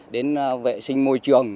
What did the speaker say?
đến vệ sinh môi trường